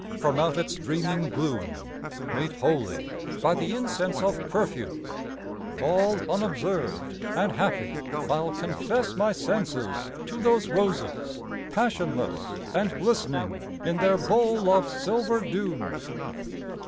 from out its dreaming gloom Made holy by the incense of perfume, All unobserved and happy I'll confess My senses to those roses, passionless, And listening in their bowl of silver doom.